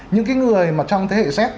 những cái người mà trong thế hệ z